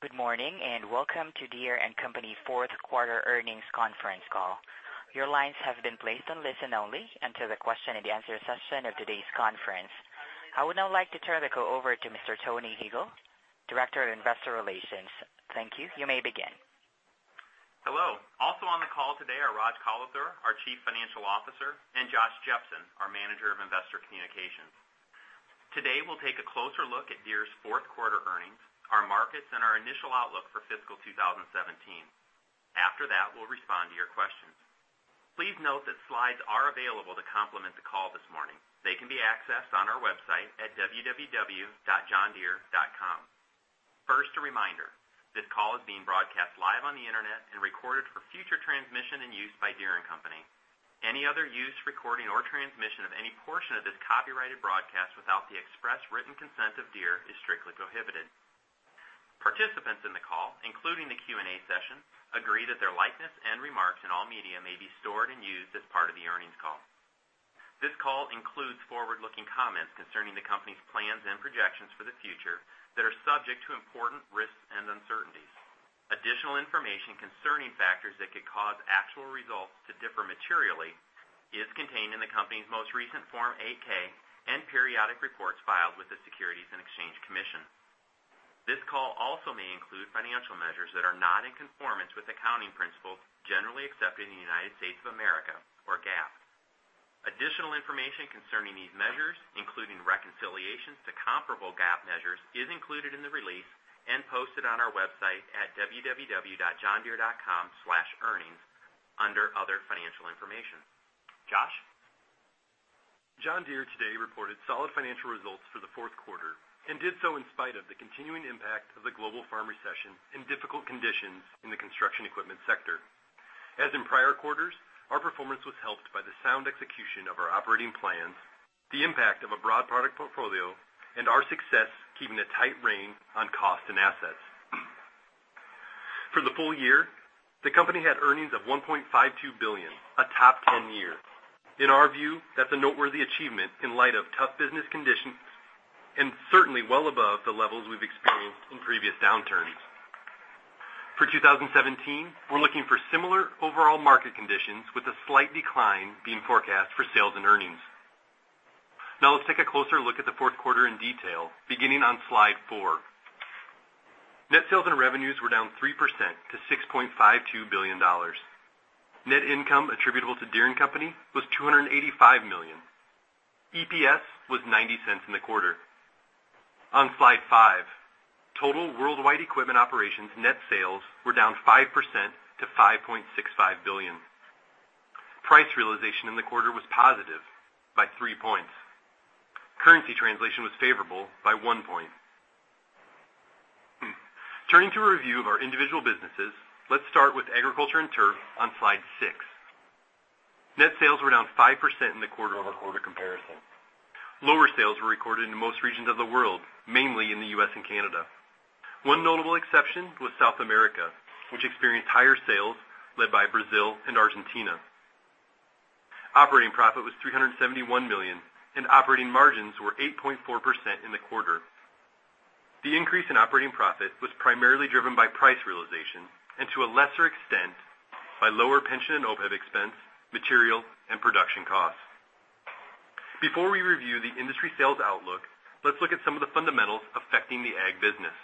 Good morning, and welcome to Deere & Company fourth quarter earnings conference call. Your lines have been placed on listen only until the question and answer session of today's conference. I would now like to turn the call over to Mr. Tony Huegel, Director of Investor Relations. Thank you. You may begin. Hello. Also on the call today are Raj Kalathur, our Chief Financial Officer, and Josh Jepsen, our Manager of Investor Communications. Today, we'll take a closer look at Deere's fourth quarter earnings, our markets, and our initial outlook for fiscal 2017. After that, we'll respond to your questions. Please note that slides are available to complement the call this morning. They can be accessed on our website at www.johndeere.com. First, a reminder, this call is being broadcast live on the internet and recorded for future transmission and use by Deere & Company. Any other use, recording, or transmission of any portion of this copyrighted broadcast without the express written consent of Deere is strictly prohibited. Participants in the call, including the Q&A session, agree that their likeness and remarks in all media may be stored and used as part of the earnings call. This call includes forward-looking comments concerning the company's plans and projections for the future that are subject to important risks and uncertainties. Additional information concerning factors that could cause actual results to differ materially is contained in the company's most recent Form 8-K and periodic reports filed with the Securities and Exchange Commission. This call also may include financial measures that are not in conformance with accounting principles generally accepted in the United States of America, or GAAP. Additional information concerning these measures, including reconciliations to comparable GAAP measures, is included in the release and posted on our website at www.johndeere.com/earnings under Other Financial Information. Josh? John Deere today reported solid financial results for the fourth quarter and did so in spite of the continuing impact of the global farm recession and difficult conditions in the construction equipment sector. As in prior quarters, our performance was helped by the sound execution of our operating plans, the impact of a broad product portfolio, and our success keeping a tight rein on cost and assets. For the full year, the company had earnings of $1.52 billion, a top 10 year. In our view, that's a noteworthy achievement in light of tough business conditions, and certainly well above the levels we've experienced in previous downturns. For 2017, we're looking for similar overall market conditions with a slight decline being forecast for sales and earnings. Now let's take a closer look at the fourth quarter in detail, beginning on slide four. Net sales and revenues were down 3% to $6.52 billion. Net income attributable to Deere & Company was $285 million. EPS was $0.90 in the quarter. On slide five, total worldwide equipment operations net sales were down 5% to $5.65 billion. Price realization in the quarter was positive by three points. Currency translation was favorable by one point. Turning to a review of our individual businesses, let's start with agriculture and turf on slide six. Net sales were down 5% in the quarter-over-quarter comparison. Lower sales were recorded in most regions of the world, mainly in the U.S. and Canada. One notable exception was South America, which experienced higher sales led by Brazil and Argentina. Operating profit was $371 million, and operating margins were 8.4% in the quarter. The increase in operating profit was primarily driven by price realization and to a lesser extent, by lower pension and OPEB expense, material, and production costs. Before we review the industry sales outlook, let's look at some of the fundamentals affecting the ag business.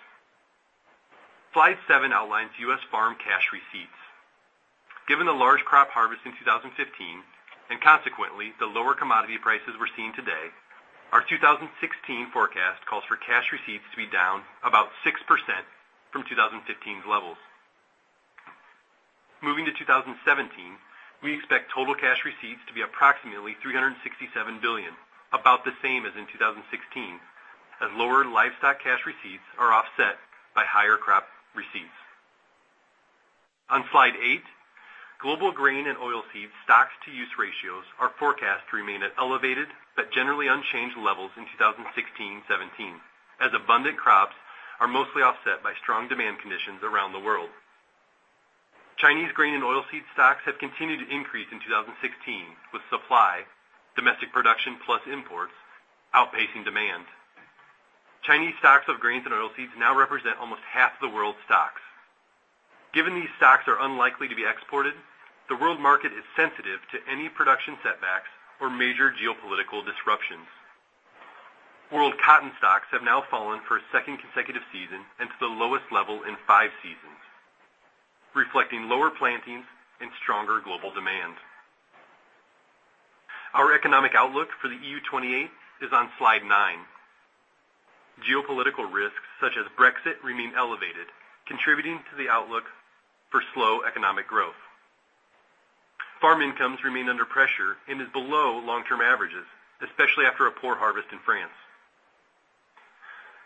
Slide seven outlines U.S. farm cash receipts. Given the large crop harvest in 2015, and consequently, the lower commodity prices we're seeing today, our 2016 forecast calls for cash receipts to be down about 6% from 2015's levels. Moving to 2017, we expect total cash receipts to be approximately $367 billion, about the same as in 2016, as lower livestock cash receipts are offset by higher crop receipts. On slide eight, global grain and oil seed stocks to use ratios are forecast to remain at elevated but generally unchanged levels in 2016 and 2017, as abundant crops are mostly offset by strong demand conditions around the world. Chinese grain and oil seed stocks have continued to increase in 2016, with supply, domestic production, plus imports outpacing demand. Chinese stocks of grains and oil seeds now represent almost half the world's stocks. Given these stocks are unlikely to be exported, the world market is sensitive to any production setbacks or major geopolitical disruptions. World cotton stocks have now fallen for a second consecutive season and to the lowest level in five seasons, reflecting lower plantings and stronger global demand. Our economic outlook for the EU 28 is on slide nine. Geopolitical risks such as Brexit remain elevated, contributing to the outlook for slow economic growth. Farm incomes remain under pressure and is below long-term averages, especially after a poor harvest in France.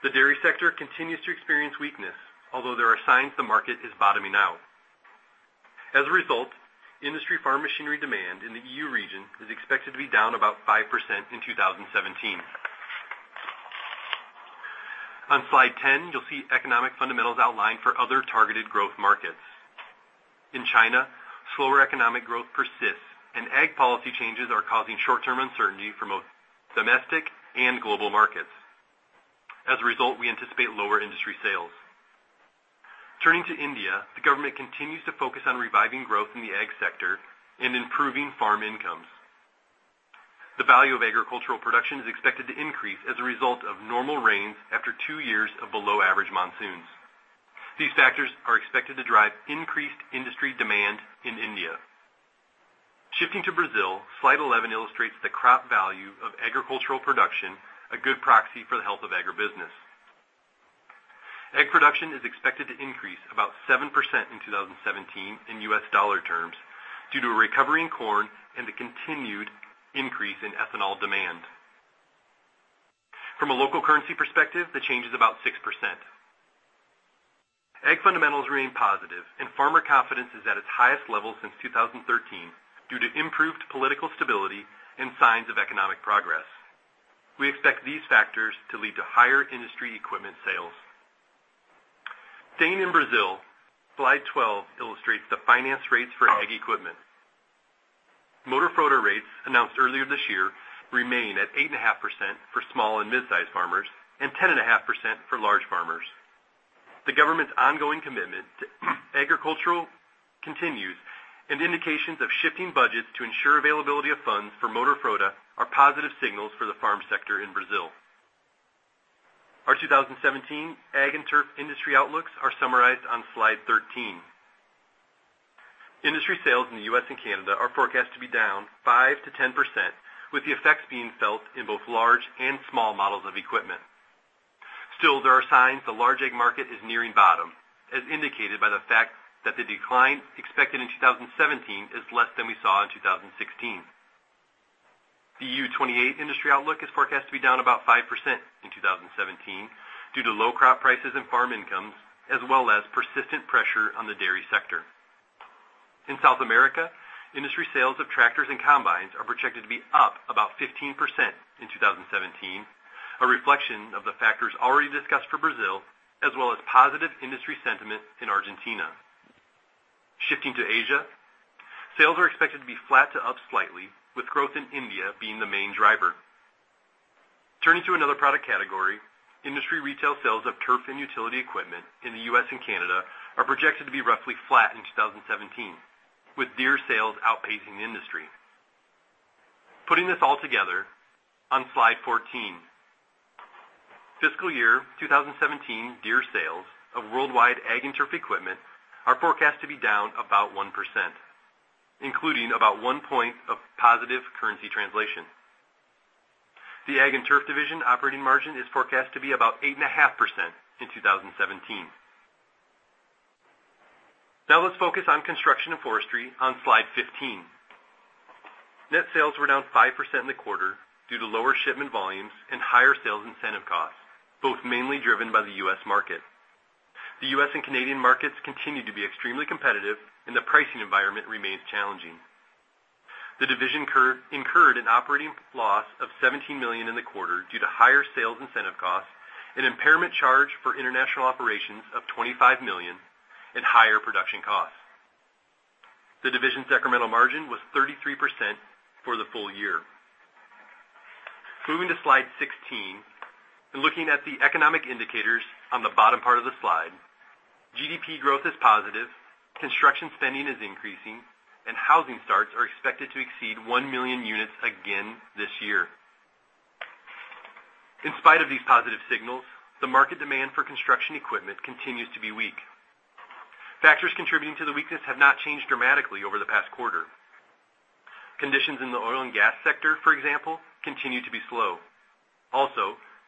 The dairy sector continues to experience weakness, although there are signs the market is bottoming out. As a result, industry farm machinery demand in the EU region is expected to be down about 5% in 2017. On slide 10, you'll see economic fundamentals outlined for other targeted growth markets. In China, slower economic growth persists, and ag policy changes are causing short-term uncertainty for both domestic and global markets. As a result, we anticipate lower industry sales. Turning to India, the government continues to focus on reviving growth in the ag sector and improving farm incomes. The value of agricultural production is expected to increase as a result of normal rains after two years of below-average monsoons. These factors are expected to drive increased industry demand in India. Shifting to Brazil, slide 11 illustrates the crop value of agricultural production, a good proxy for the health of agribusiness. Ag production is expected to increase about 7% in 2017 in U.S. dollar terms due to a recovery in corn and the continued increase in ethanol demand. From a local currency perspective, the change is about 6%. Ag fundamentals remain positive and farmer confidence is at its highest level since 2013 due to improved political stability and signs of economic progress. We expect these factors to lead to higher industry equipment sales. Staying in Brazil, slide 12 illustrates the finance rates for ag equipment. Moderfrota rates announced earlier this year remain at 8.5% for small and mid-size farmers and 10.5% for large farmers. The government's ongoing commitment to agriculture continues. Indications of shifting budgets to ensure availability of funds for Moderfrota are positive signals for the farm sector in Brazil. Our 2017 ag and turf industry outlooks are summarized on slide 13. Industry sales in the U.S. and Canada are forecast to be down 5%-10%, with the effects being felt in both large and small models of equipment. Still, there are signs the large ag market is nearing bottom, as indicated by the fact that the decline expected in 2017 is less than we saw in 2016. The EU 28 industry outlook is forecast to be down about 5% in 2017 due to low crop prices and farm incomes, as well as persistent pressure on the dairy sector. In South America, industry sales of tractors and combines are projected to be up about 15% in 2017, a reflection of the factors already discussed for Brazil, as well as positive industry sentiment in Argentina. Shifting to Asia, sales are expected to be flat to up slightly, with growth in India being the main driver. Turning to another product category, industry retail sales of turf and utility equipment in the U.S. and Canada are projected to be roughly flat in 2017, with Deere sales outpacing the industry. Putting this all together on slide 14, fiscal year 2017 Deere sales of worldwide ag and turf equipment are forecast to be down about 1%, including about one point of positive currency translation. The Ag and Turf division operating margin is forecast to be about 8.5% in 2017. Let's focus on Construction and Forestry on slide 15. Net sales were down 5% in the quarter due to lower shipment volumes and higher sales incentive costs, both mainly driven by the U.S. market. The U.S. and Canadian markets continue to be extremely competitive and the pricing environment remains challenging. The division incurred an operating loss of $17 million in the quarter due to higher sales incentive costs and impairment charge for international operations of $25 million and higher production costs. The division's incremental margin was 33% for the full year. Moving to slide 16, looking at the economic indicators on the bottom part of the slide, GDP growth is positive, construction spending is increasing, and housing starts are expected to exceed 1 million units again this year. In spite of these positive signals, the market demand for construction equipment continues to be weak. Factors contributing to the weakness have not changed dramatically over the past quarter. Conditions in the oil and gas sector, for example, continue to be slow.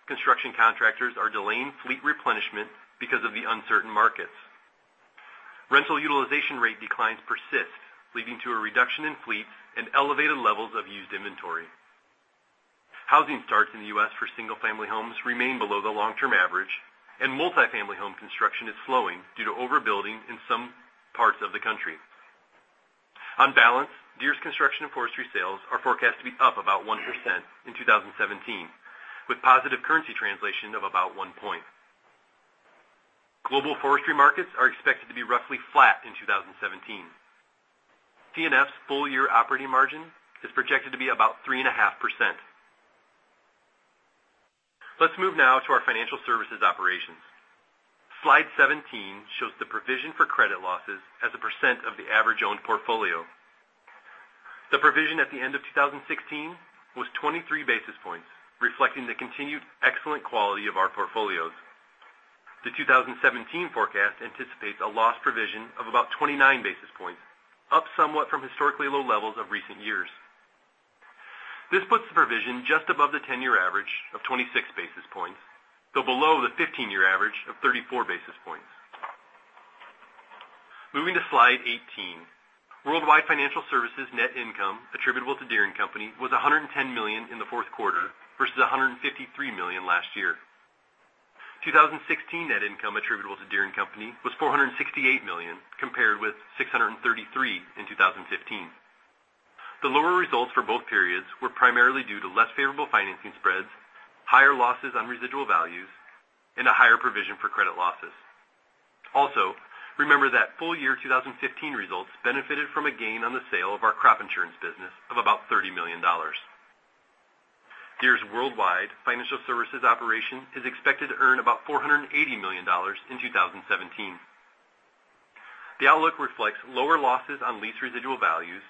Construction contractors are delaying fleet replenishment because of the uncertain markets. Rental utilization rate declines persist, leading to a reduction in fleets and elevated levels of used inventory. Housing starts in the U.S. for single-family homes remain below the long-term average, and multifamily home construction is slowing due to overbuilding in some parts of the country. On balance, Deere's construction and forestry sales are forecast to be up about 1% in 2017, with positive currency translation of about one point. Global forestry markets are expected to be roughly flat in 2017. C&F's full-year operating margin is projected to be about 3.5%. Let's move now to our financial services operations. Slide 17 shows the provision for credit losses as a percent of the average owned portfolio. The provision at the end of 2016 was 23 basis points, reflecting the continued excellent quality of our portfolios. The 2017 forecast anticipates a loss provision of about 29 basis points, up somewhat from historically low levels of recent years. This puts the provision just above the 10-year average of 26 basis points, though below the 15-year average of 34 basis points. Moving to slide 18. Worldwide financial services net income attributable to Deere & Company was $110 million in the fourth quarter versus $153 million last year. 2016 net income attributable to Deere & Company was $468 million, compared with $633 million in 2015. The lower results for both periods were primarily due to less favorable financing spreads, higher losses on residual values, and a higher provision for credit losses. Remember that full year 2015 results benefited from a gain on the sale of our crop insurance business of about $30 million. Deere's worldwide financial services operation is expected to earn about $480 million in 2017. The outlook reflects lower losses on lease residual values,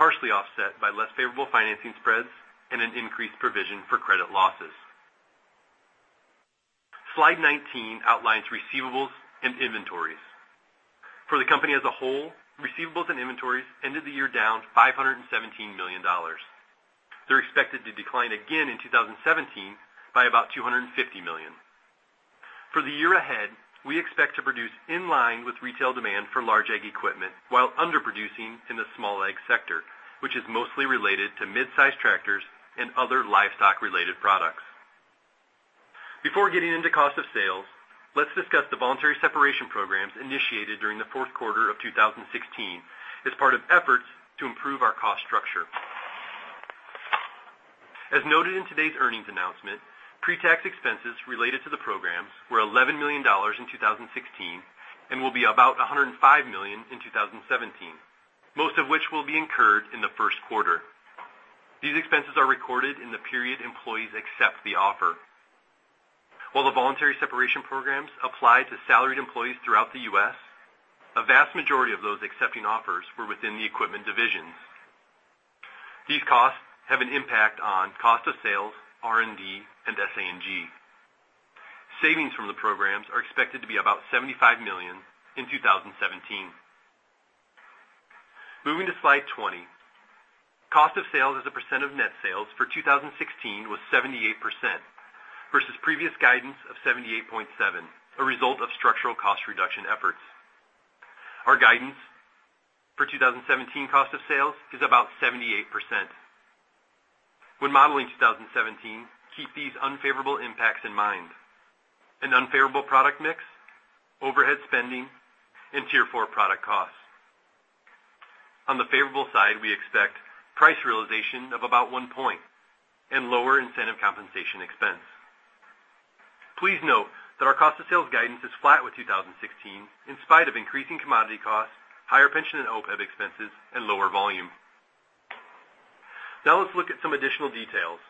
partially offset by less favorable financing spreads and an increased provision for credit losses. Slide 19 outlines receivables and inventories. For the company as a whole, receivables and inventories ended the year down $517 million. They're expected to decline again in 2017 by about $250 million. For the year ahead, we expect to produce in line with retail demand for large ag equipment while underproducing in the small ag sector, which is mostly related to mid-size tractors and other livestock-related products. Before getting into cost of sales, let's discuss the voluntary separation programs initiated during the fourth quarter of 2016 as part of efforts to improve our cost structure. As noted in today's earnings announcement, pre-tax expenses related to the programs were $11 million in 2016, and will be about $105 million in 2017, most of which will be incurred in the first quarter. These expenses are recorded in the period employees accept the offer. While the voluntary separation programs apply to salaried employees throughout the U.S., a vast majority of those accepting offers were within the equipment divisions. These costs have an impact on cost of sales, R&D, and SA&G. Savings from the programs are expected to be about $75 million in 2017. Moving to slide 20. Cost of sales as a percent of net sales for 2016 was 78%, versus previous guidance of 78.7%, a result of structural cost reduction efforts. Our guidance for 2017 cost of sales is about 78%. When modeling 2017, keep these unfavorable impacts in mind: an unfavorable product mix, overhead spending, and Tier 4 product costs. On the favorable side, we expect price realization of about one point and lower incentive compensation expense. Please note that our cost of sales guidance is flat with 2016 in spite of increasing commodity costs, higher pension and OPEB expenses, and lower volume. Let's look at some additional details.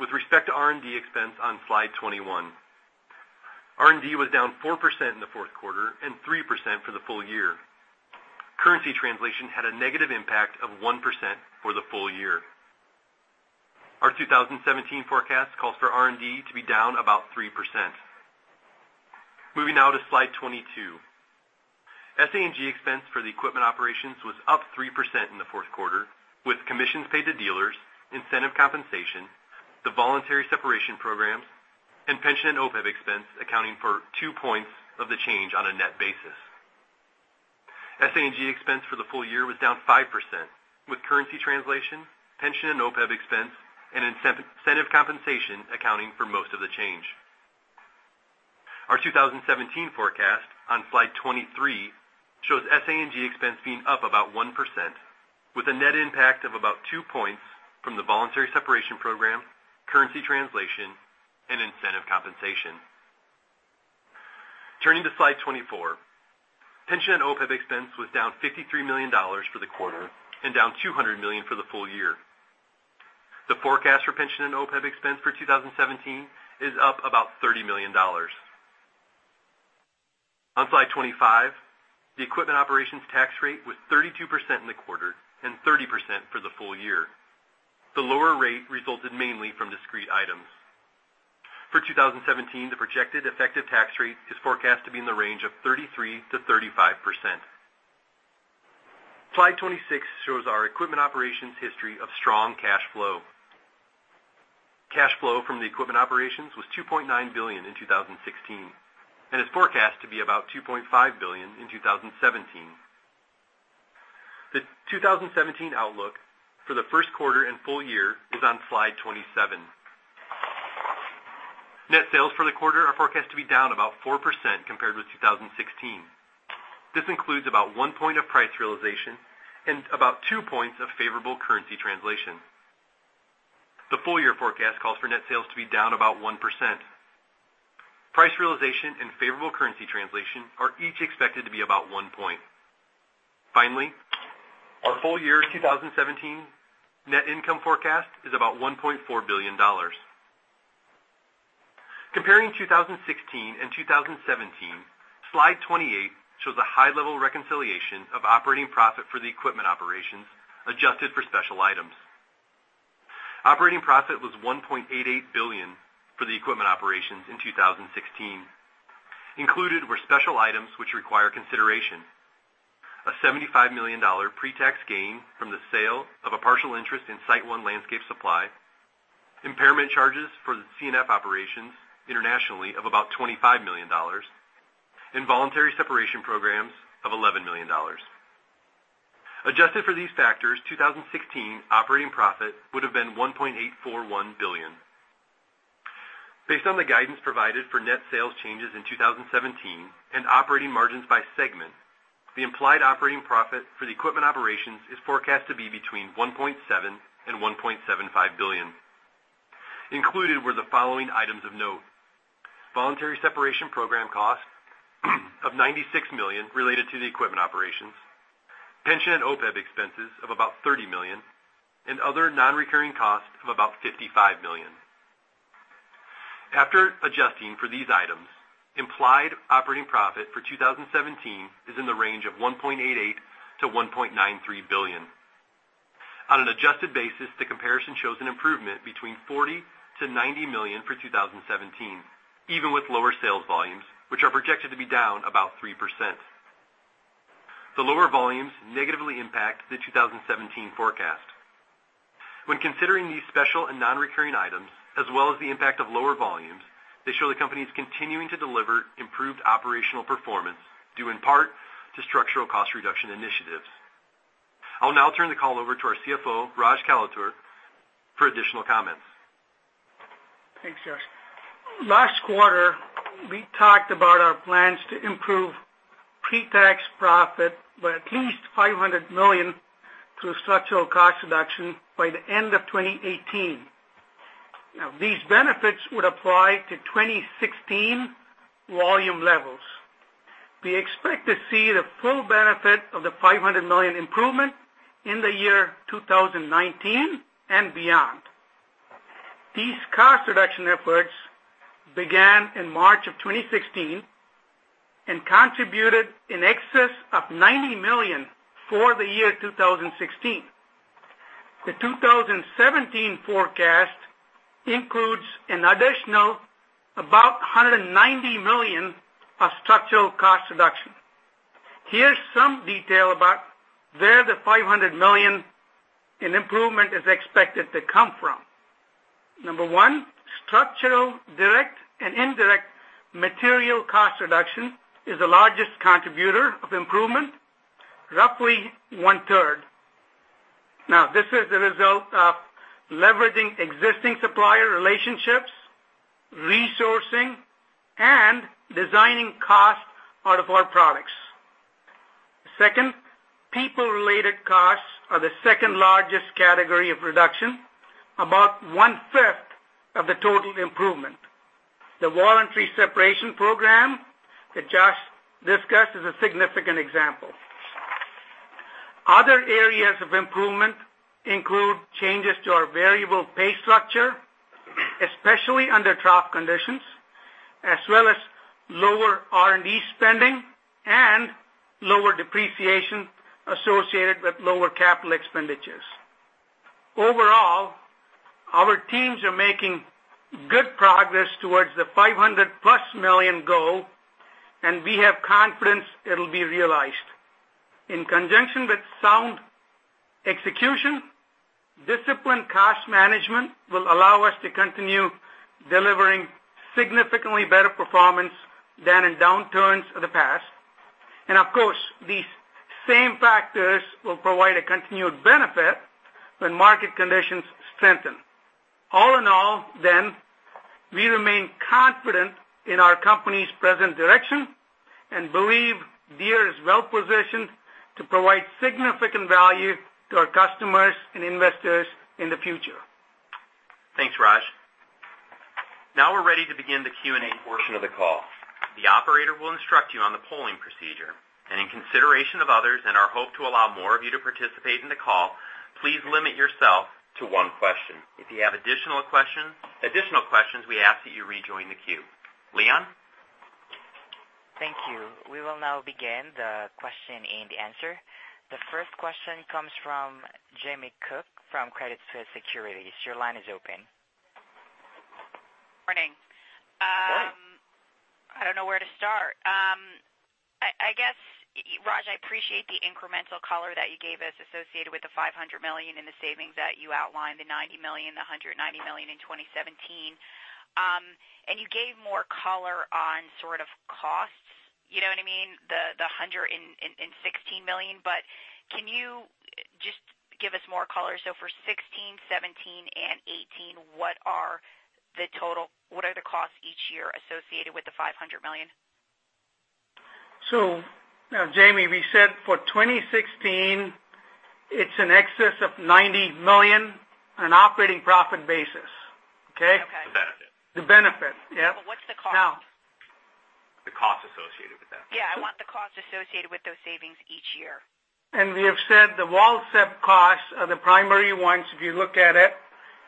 With respect to R&D expense on slide 21. R&D was down 4% in the fourth quarter and 3% for the full year. Currency translation had a negative impact of 1% for the full year. Our 2017 forecast calls for R&D to be down about 3%. Moving now to slide 22. SA&G expense for the equipment operations was up 3% in the fourth quarter, with commissions paid to dealers, incentive compensation, the voluntary separation programs, and pension and OPEB expense accounting for two points of the change on a net basis. SA&G expense for the full year was down 5%, with currency translation, pension and OPEB expense, and incentive compensation accounting for most of the change. Our 2017 forecast on slide 23 shows SA&G expense being up about 1%, with a net impact of about two points from the voluntary separation program, currency translation, and incentive compensation. Turning to slide 24. Pension and OPEB expense was down $53 million for the quarter and down $200 million for the full year. The forecast for pension and OPEB expense for 2017 is up about $30 million. On slide 25, the equipment operations tax rate was 32% in the quarter, and 30% for the full year. The lower rate resulted mainly from discrete items. For 2017, the projected effective tax rate is forecast to be in the range of 33%-35%. Slide 26 shows our equipment operations history of strong cash flow. Cash flow from the equipment operations was $2.9 billion in 2016 and is forecast to be about $2.5 billion in 2017. The 2017 outlook for the first quarter and full year is on slide 27. Net sales for the quarter are forecast to be down about 4% compared with 2016. This includes about one point of price realization and about two points of favorable currency translation. The full-year forecast calls for net sales to be down about 1%. Price realization and favorable currency translation are each expected to be about one point. Finally, our full year 2017 net income forecast is about $1.4 billion. Comparing 2016 and 2017, slide 28 shows a high-level reconciliation of operating profit for the equipment operations, adjusted for special items. Operating profit was $1.88 billion for the equipment operations in 2016. Included were special items which require consideration. A $75 million pre-tax gain from the sale of a partial interest in SiteOne Landscape Supply, impairment charges for the C&F operations internationally of about $25 million, and voluntary separation programs of $11 million. Adjusted for these factors, 2016 operating profit would've been $1.841 billion. Based on the guidance provided for net sales changes in 2017 and operating margins by segment, the implied operating profit for the equipment operations is forecast to be between $1.7 billion and $1.75 billion. Included were the following items of note. Voluntary separation program costs of $96 million related to the equipment operations, pension and OPEB expenses of about $30 million, and other non-recurring costs of about $55 million. After adjusting for these items, implied operating profit for 2017 is in the range of $1.88 billion-$1.93 billion. On an adjusted basis, the comparison shows an improvement between $40 million-$90 million for 2017, even with lower sales volumes, which are projected to be down about 3%. The lower volumes negatively impact the 2017 forecast. When considering these special and non-recurring items, as well as the impact of lower volumes, they show the company's continuing to deliver improved operational performance, due in part to structural cost reduction initiatives. I'll now turn the call over to our CFO, Raj Kalathur, for additional comments. Thanks, Josh. Last quarter, we talked about our plans to improve pre-tax profit by at least $500 million through structural cost reduction by the end of 2018. These benefits would apply to 2016 volume levels. We expect to see the full benefit of the $500 million improvement in the year 2019 and beyond. These cost reduction efforts began in March of 2016 and contributed in excess of $90 million for the year 2016. The 2017 forecast includes an additional about $190 million of structural cost reduction. Here's some detail about where the $500 million in improvement is expected to come from. Number one, structural, direct and indirect material cost reduction is the largest contributor of improvement, roughly one-third. This is the result of leveraging existing supplier relationships, resourcing, and designing costs out of our products. Second, people-related costs are the second-largest category of reduction, about one-fifth of the total improvement. The voluntary separation program that Josh discussed is a significant example. Other areas of improvement include changes to our variable pay structure, especially under trough conditions, as well as lower R&D spending and lower depreciation associated with lower capital expenditures. Overall, our teams are making good progress towards the $500-plus million goal, and we have confidence it'll be realized. In conjunction with sound execution, disciplined cost management will allow us to continue delivering significantly better performance than in downturns of the past. Of course, these same factors will provide a continued benefit when market conditions strengthen. All in all, we remain confident in our company's present direction and believe Deere is well-positioned to provide significant value to our customers and investors in the future. Thanks, Raj. Now we're ready to begin the Q&A portion of the call. The operator will instruct you on the polling procedure. In consideration of others and our hope to allow more of you to participate in the call, please limit yourself to one question. If you have additional questions, we ask that you rejoin the queue. Leon? Thank you. We will now begin the question and answer. The first question comes from Jamie Cook from Credit Suisse Securities. Your line is open. Morning. Morning. I don't know where to start. I guess, Raj, I appreciate the incremental color that you gave us associated with the $500 million in the savings that you outlined, the $90 million, the $190 million in 2017. You gave more color on sort of costs. You know what I mean? The $116 million. Can you just give us more color? For '16, '17, and '18, what are the costs each year associated with the $500 million? Jamie, we said for 2016, it's in excess of $90 million on an operating profit basis. Okay? Okay. The benefit. The benefit, yep. What's the cost? The cost associated with that. Yeah, I want the cost associated with those savings each year. We have said the voluntary separation costs are the primary ones, if you look at it,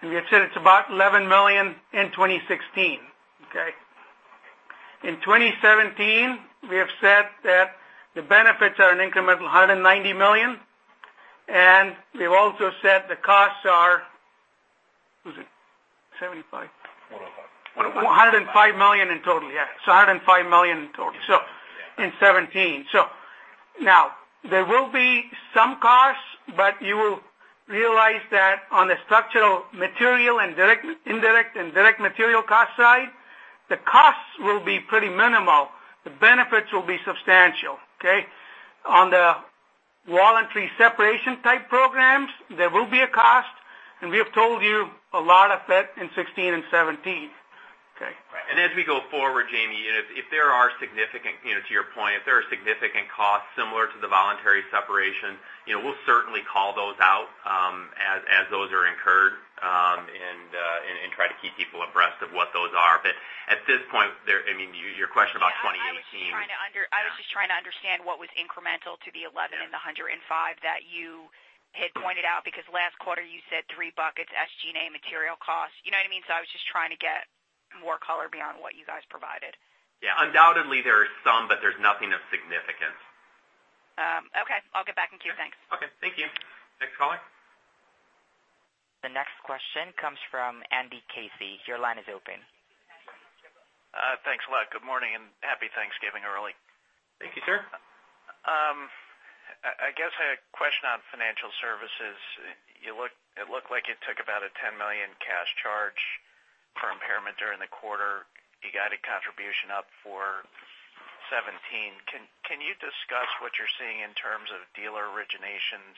and we have said it's about $11 million in 2016. Okay? In 2017, we have said that the benefits are an incremental $190 million, and we have also said the costs are What is it? 75? One-oh-five. $105 million in total. Yeah. $105 million in total. In 2017. Now, there will be some costs, but you will realize that on the structural material and indirect and direct material cost side, the costs will be pretty minimal. The benefits will be substantial, okay? On the Voluntary separation type programs, there will be a cost, and we have told you a lot of that in 2016 and 2017. Okay. As we go forward, Jamie, to your point, if there are significant costs similar to the voluntary separation, we will certainly call those out as those are incurred, and try to keep people abreast of what those are. But at this point, your question about 2018- I was just trying to understand what was incremental to the $1,100 and $5 that you had pointed out, because last quarter you said three buckets, SA&G material costs. You know what I mean? I was just trying to get more color beyond what you guys provided. Yeah. Undoubtedly, there are some, but there's nothing of significance. Okay. I'll get back in queue. Thanks. Okay, thank you. Next caller. The next question comes from Andy Casey. Your line is open. Thanks a lot. Good morning, and happy Thanksgiving early. Thank you, sir. I guess a question on financial services. It looked like it took about a $10 million cash charge for impairment during the quarter. You got a contribution up for 2017. Can you discuss what you're seeing in terms of dealer originations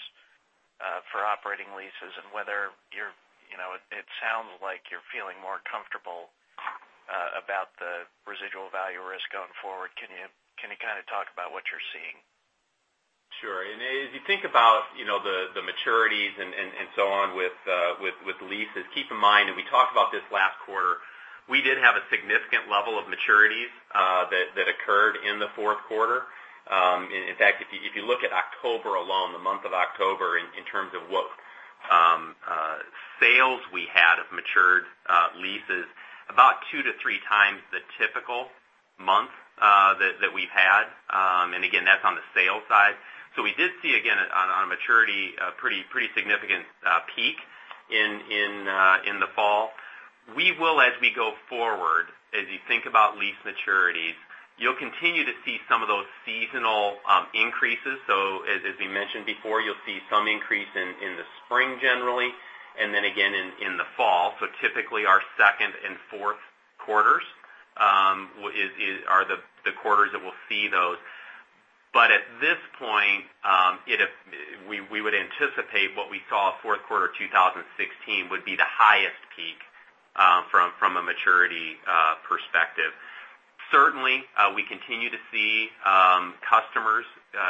for operating leases and whether it sounds like you're feeling more comfortable about the residual value risk going forward? Can you kind of talk about what you're seeing? Sure. As you think about the maturities and so on with leases, keep in mind, we talked about this last quarter, we did have a significant level of maturities that occurred in the fourth quarter. In fact, if you look at October alone, the month of October in terms of what sales we had of matured leases, about two to three times the typical month that we've had. Again, that's on the sales side. We did see, again, on a maturity, a pretty significant peak in the fall. We will, as we go forward, as you think about lease maturities, you'll continue to see some of those seasonal increases. As we mentioned before, you'll see some increase in the spring generally, and then again in the fall. Typically our second and fourth quarters are the quarters that we'll see those. At this point, we would anticipate what we saw fourth quarter 2016 would be the highest peak from a maturity perspective. Certainly, we continue to see customers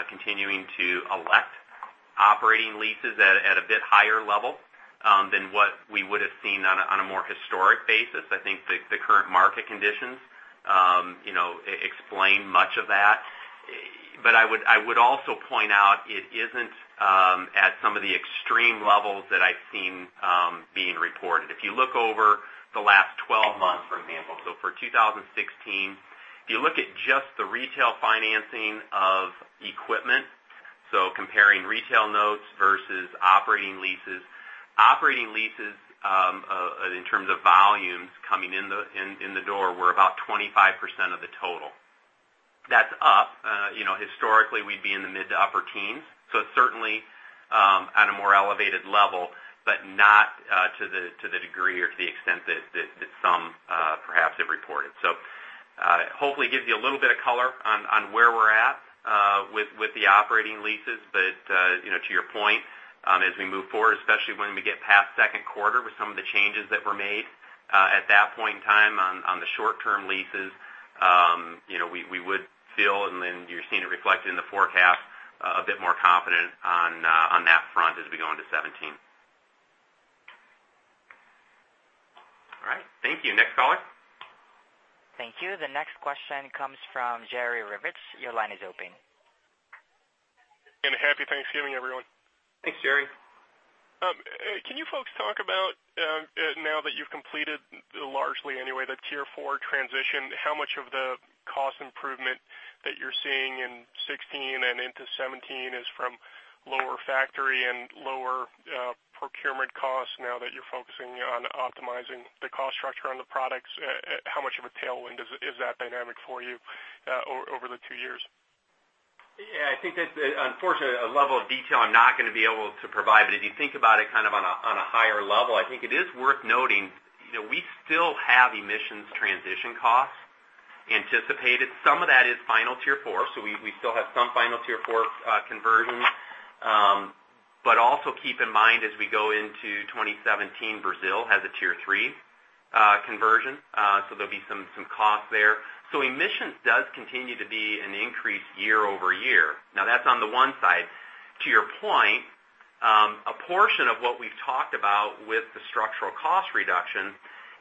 continuing to elect operating leases at a bit higher level than what we would have seen on a more historic basis. I think the current market conditions explain much of that. I would also point out it isn't at some of the extreme levels that I've seen being reported. If you look over the last 12 months, for example. For 2016, if you look at just the retail financing of equipment, so comparing retail notes versus operating leases. Operating leases, in terms of volumes coming in the door, were about 25% of the total. That's up. Historically, we'd be in the mid to upper teens. It's certainly on a more elevated level, but not to the degree or to the extent that some perhaps have reported. Hopefully gives you a little bit of color on where we're at with the operating leases. To your point, as we move forward, especially when we get past second quarter with some of the changes that were made at that point in time on the short-term leases, we would feel, and then you're seeing it reflected in the forecast, a bit more confident on that front as we go into 2017. All right. Thank you. Next caller. Thank you. The next question comes from Jerry Revich. Your line is open. A happy Thanksgiving, everyone. Thanks, Jerry. Can you folks talk about, now that you've completed largely anyway the Tier 4 transition, how much of the cost improvement that you're seeing in 2016 and into 2017 is from lower factory and lower procurement costs now that you're focusing on optimizing the cost structure on the products? How much of a tailwind is that dynamic for you over the two years? Yeah, I think that's unfortunately a level of detail I'm not going to be able to provide. If you think about it kind of on a higher level, I think it is worth noting that we still have emissions transition costs anticipated. Some of that is final Tier 4. We still have some final Tier 4 conversions. Also keep in mind, as we go into 2017, Brazil has a Tier 3 conversion. There'll be some cost there. Emissions does continue to be an increase year-over-year. That's on the one side. To your point, a portion of what we've talked about with the structural cost reduction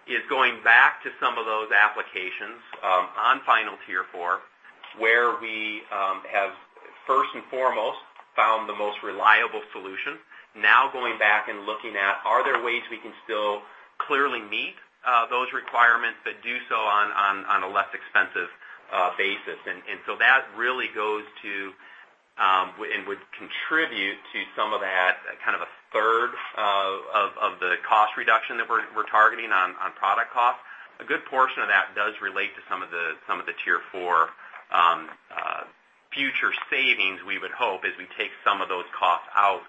is going back to some of those applications on final Tier 4 where we have first and foremost found the most reliable solution. Now going back and looking at are there ways we can still clearly meet those requirements, but do so on a less expensive basis. That really goes to and would contribute to some of that kind of a third of the cost reduction that we're targeting on product cost. A good portion of that does relate to some of the Tier 4 future savings we would hope as we take some of those costs out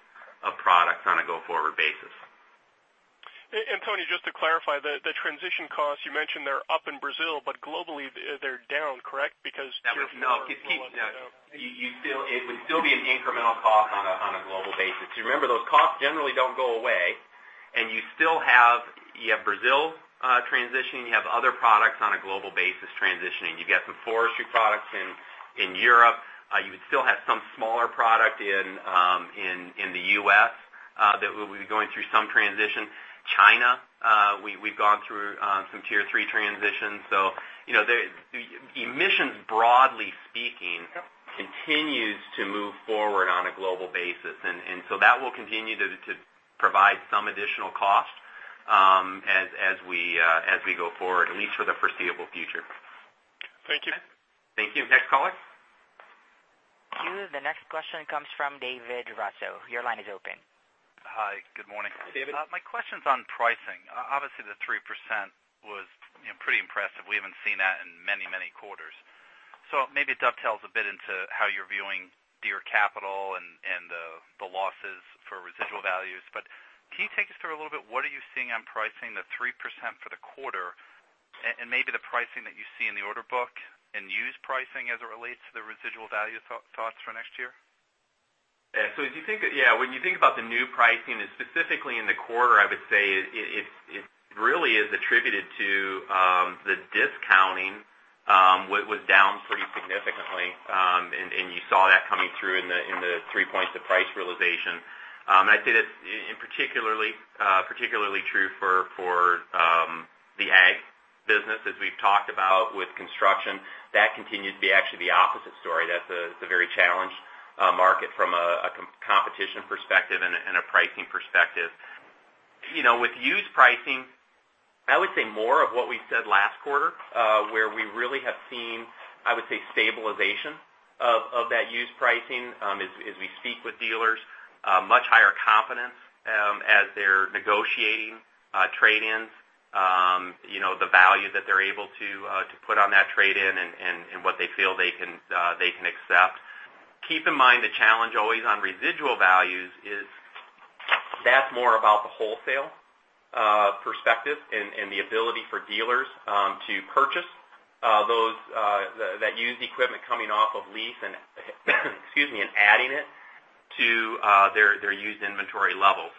Tony, just to clarify, the transition costs, you mentioned they're up in Brazil, but globally they're down, correct? No. It would still be an incremental cost on a global basis. Remember, those costs generally don't go away, and you still have Brazil transitioning. You have other products on a global basis transitioning. You've got some forestry products in Europe. You would still have some smaller product in the U.S. that will be going through some transition. China, we've gone through some Tier 3 transitions. Emissions, broadly speaking. Yep It continues to move forward on a global basis. That will continue to provide some additional cost as we go forward, at least for the foreseeable future. Thank you. Thank you. Next caller. Thank you. The next question comes from David Raso. Your line is open. Hi. Good morning. David. My question's on pricing. Obviously, the 3% was pretty impressive. We haven't seen that in many quarters. Maybe it dovetails a bit into how you're viewing Deere Capital and the losses for residual values. Can you take us through a little bit, what are you seeing on pricing the 3% for the quarter and maybe the pricing that you see in the order book and used pricing as it relates to the residual value thoughts for next year? Yeah. When you think about the new pricing, specifically in the quarter, I would say it really is attributed to the discounting was down pretty significantly. You saw that coming through in the three points of price realization. I'd say that's particularly true for the ag business, as we've talked about with construction. That continues to be actually the opposite story. That's a very challenged market from a competition perspective and a pricing perspective. With used pricing, I would say more of what we said last quarter where we really have seen, I would say, stabilization of that used pricing as we speak with dealers, much higher confidence as they're negotiating trade-ins. The value that they're able to put on that trade-in and what they feel they can accept. Keep in mind, the challenge always on residual values is that's more about the wholesale perspective and the ability for dealers to purchase that used equipment coming off of lease and adding it to their used inventory level.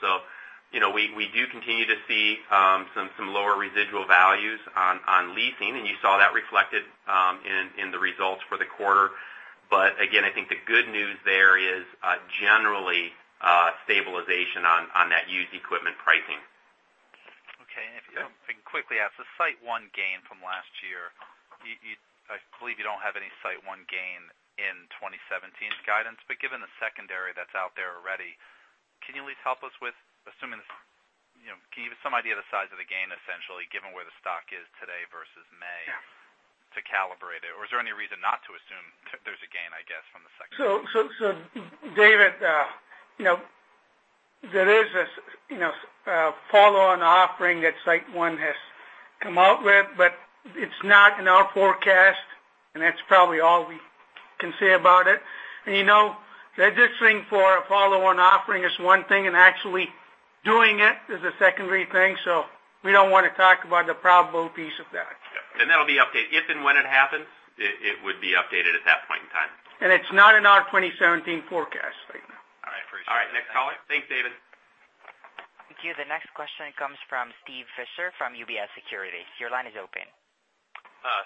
We do continue to see some lower residual values on leasing, you saw that reflected in the results for the quarter. Again, I think the good news there is generally stabilization on that used equipment pricing. Okay. If I can quickly ask, the SiteOne gain from last year, I believe you don't have any SiteOne gain in 2017's guidance. Given the secondary that's out there already, can you at least help us with assuming, can you give some idea of the size of the gain, essentially, given where the stock is today versus May- Yeah to calibrate it? Is there any reason not to assume there's a gain, I guess, from the secondary? David, there is this follow-on offering that SiteOne has come out with, it's not in our forecast, that's probably all we can say about it. This thing for a follow-on offering is one thing and actually doing it is a secondary thing. We don't want to talk about the probable piece of that. That'll be updated. If and when it happens, it would be updated at that point in time. It's not in our 2017 forecast right now. All right. Appreciate it. All right. Next caller. Thanks, David. Thank you. The next question comes from Steve Fisher from UBS Securities. Your line is open.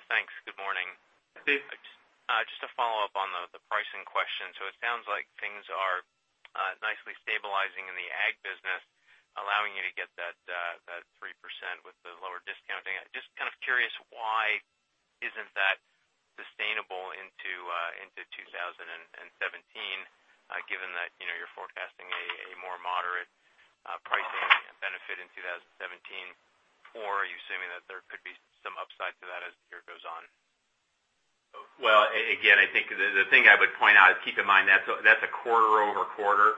Thanks. Good morning. Steve. It sounds like things are nicely stabilizing in the ag business, allowing you to get that 3% with the lower discounting. Just kind of curious, why isn't that sustainable into 2017 given that you're forecasting a more moderate pricing benefit in 2017? Are you assuming that there could be some upside to that as the year goes on? Well, again, I think the thing I would point out is keep in mind that's a quarter-over-quarter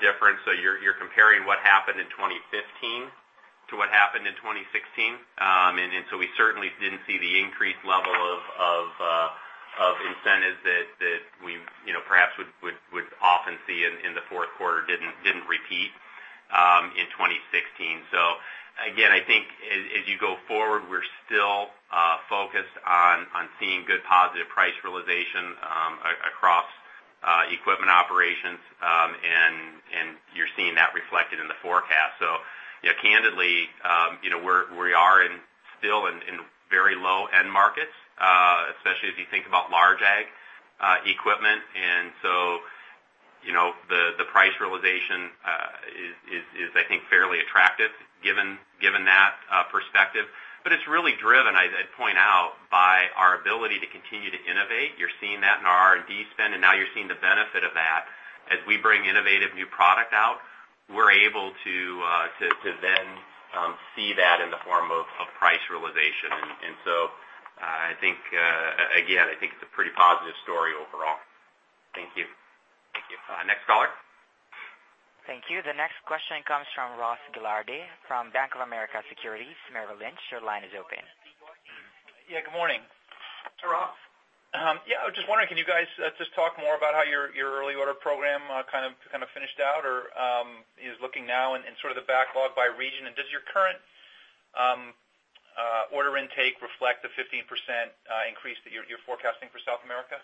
difference. You're comparing what happened in 2015 to what happened in 2016. We certainly didn't see the increased level of incentives that we perhaps would often see in the fourth quarter didn't repeat in 2016. Again, I think as you go forward, we're still focused on seeing good positive price realization across equipment operations, and you're seeing that reflected in the forecast. Candidly, we are still in very low end markets, especially if you think about large ag equipment. The price realization is, I think, fairly attractive given that perspective. It's really driven, I'd point out, by our ability to continue to innovate. You're seeing that in our R&D spend, and now you're seeing the benefit of that. As we bring innovative new product out, we're able to then see that in the form of price realization. I think, again, I think it's a pretty positive story overall. Thank you. Thank you. Next caller. Thank you. The next question comes from Ross Gilardi from Bank of America Securities, Merrill Lynch. Your line is open. Yeah, good morning. Hey, Ross. Yeah, I was just wondering, can you guys just talk more about how your early order program kind of finished out or is looking now in sort of the backlog by region? Does your current order intake reflect the 15% increase that you're forecasting for South America?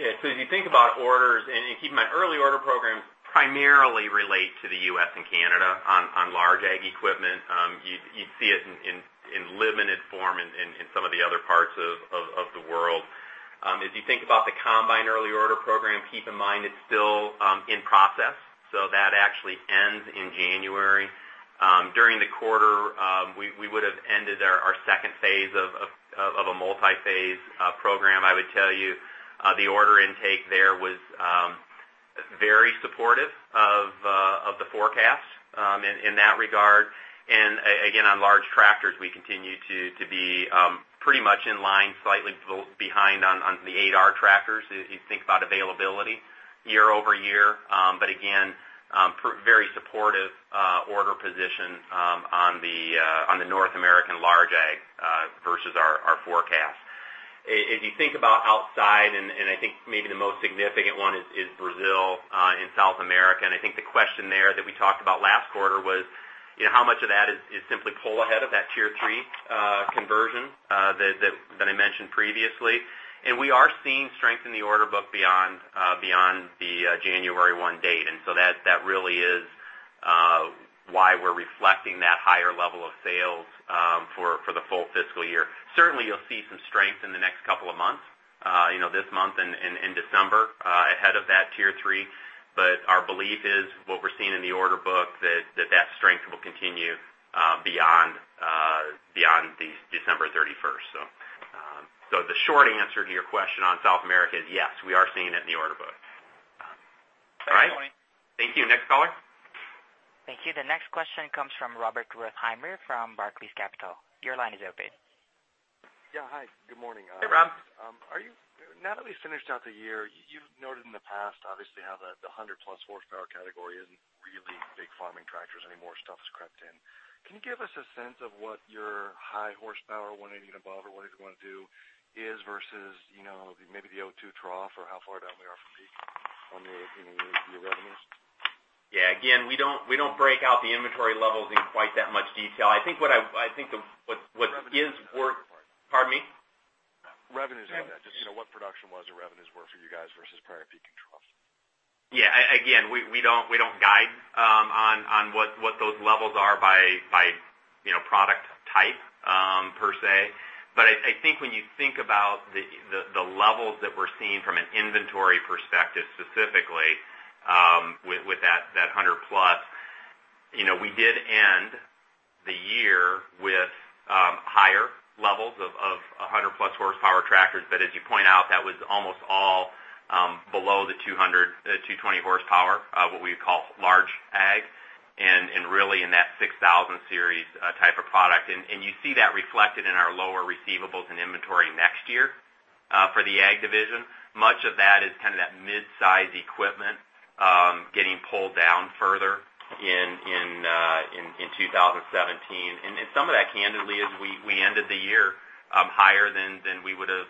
If you think about orders and keep in mind, Early Order Programs primarily relate to the U.S. and Canada on large ag equipment. You'd see it in limited form in some of the other parts of the world. If you think about the combine Early Order Program, keep in mind it's still in process, so that actually ends in January. During the quarter, we would've ended our second phase of a multi-phase program. I would tell you the order intake there was very supportive of the forecast in that regard. Again, on large tractors, we continue to be pretty much in line, slightly behind on the 8R tractors as you think about availability year-over-year. Again, very supportive order position on the North American large ag versus our forecast. If you think about outside, I think maybe the most significant one is Brazil in South America. I think the question there that we talked about last quarter was how much of that is simply pull ahead of that Tier 3 conversion that I mentioned previously. We are seeing strength in the order book beyond the January 1 date. That really is why we're reflecting that higher level of sales for the full fiscal year. Certainly, you'll see some strength in the next couple of months, this month and in December ahead of that Tier 3. Our belief is what we're seeing in the order book that that strength will continue beyond December 31st. The short answer to your question on South America is yes, we are seeing it in the order book. All right. Thanks, Tony. Thank you. Next caller. Thank you. The next question comes from Robert Wertheimer from Barclays Capital. Your line is open. Yeah. Hi, good morning. Hey, Rob. Now that we finished out the year, you've noted in the past obviously how the 100-plus horsepower category isn't really big farming tractors anymore, stuff's crept in. Can you give us a sense of what your high horsepower, 180 and above or whatever you want to do is versus maybe the 2002 trough or how far down we are from peak on your revenues? Yeah. Again, we don't break out the inventory levels in quite that much detail. Revenues. Pardon me? Revenues on that. Just what production was or revenues were for you guys versus prior peak and troughs. Yeah. Again, we don't guide on what those levels are by product type per se. I think when you think about the levels that we're seeing from an inventory perspective specifically with that 100 plus, we did end the year with higher levels of 100-plus horsepower tractors. As you point out, that was almost all below the 220 horsepower what we would call large ag and really in that 6000 Series type of product. You see that reflected in our lower receivables and inventory next year for the ag division. Much of that is kind of that mid-size equipment getting pulled down further in 2017. Some of that candidly is we ended the year higher than we would've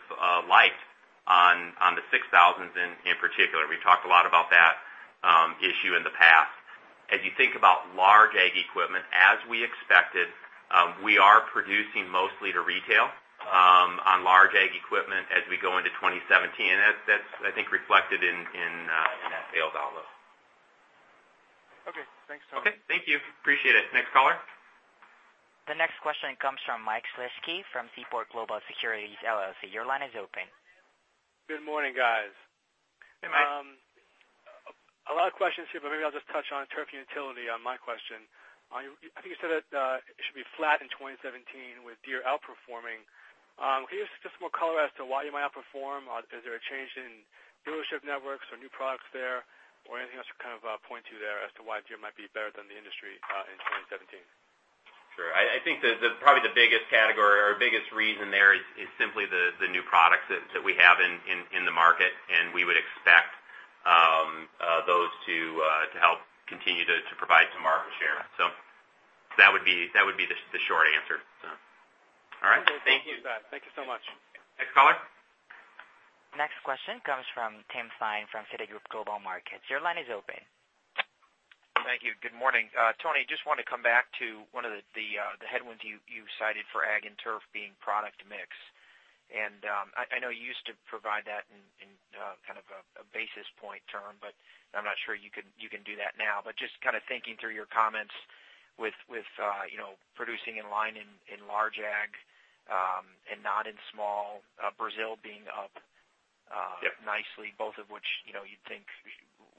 liked on the 6000s in particular. We've talked a lot about that issue in the past. As you think about large ag equipment, as we expected we are producing mostly to retail on large ag equipment as we go into 2017. That's I think reflected in that sales dollar. Okay, thanks Tony. Okay, thank you. Appreciate it. Next caller. The next question comes from Mike Shlisky from Seaport Global Securities LLC. Your line is open. Good morning, guys. Hey, Mike. A lot of questions here, but maybe I'll just touch on turf utility on my question. I think you said that it should be flat in 2017 with Deere outperforming. Can you give us just more color as to why you might outperform? Is there a change in dealership networks or new products there or anything else you kind of point to there as to why Deere might be better than the industry in 2017? Sure. I think that probably the biggest category or biggest reason there is simply the new products that we have in the market and we would expect those to help continue to provide some market share. That would be the short answer. All right. Thank you. Okay, will do with that. Thank you so much. Next caller. Next question comes from Tim Thein from Citigroup Global Markets. Your line is open. Thank you. Good morning. Tony, just want to come back to one of the headwinds you cited for ag and turf being product mix. I know you used to provide that in kind of a basis point term, but I'm not sure you can do that now. Just kind of thinking through your comments with producing in line in large ag and not in small Brazil being up. Yeah nicely, both of which you'd think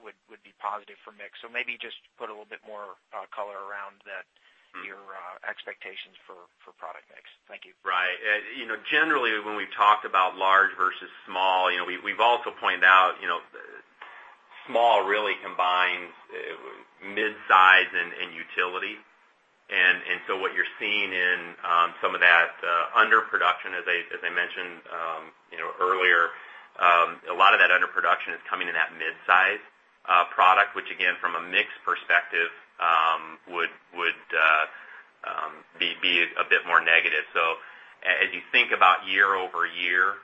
would be positive for mix. Maybe just put a little bit more color around that. Your expectations for product mix? Thank you. Right. Generally, when we've talked about large versus small we've also pointed out small really combines mid-size and utility. What you're seeing in some of that underproduction as I mentioned earlier a lot of that underproduction is coming in that mid. Again, from a mix perspective, would be a bit more negative. As you think about year-over-year